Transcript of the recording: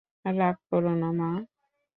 রাগ করো না, মা!